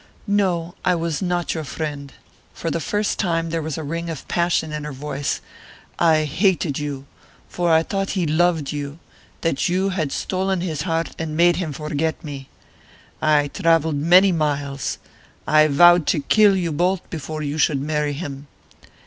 "No, I was not your friend;" for the first time there was a ring of passion in her voice; "I hated you, for I thought he loved you that you had stolen his heart and made him forget me. I travelled many miles. I vowed to kill you both before you should marry him.